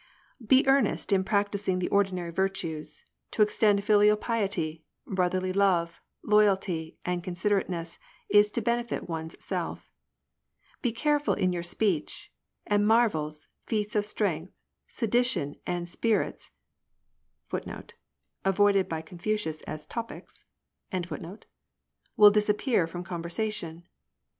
Be earnest in practising the ordinary virtues : To extend filial piety, brotherly love, loyalty, and considerateness, is to benefit one's self. Be careful in your speech. And marvels, feats of strength, sedition, and spirits, J will disap pear from conversation.